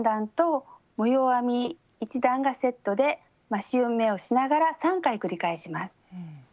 編み１段がセットで増し目をしながら３回繰り返します。